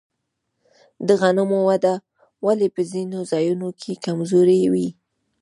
د غنمو وده ولې په ځینو ځایونو کې کمزورې وي؟